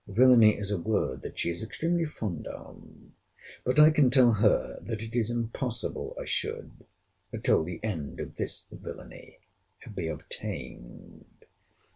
Villany is a word that she is extremely fond of. But I can tell her, that it is impossible I should, till the end of this villany be obtained.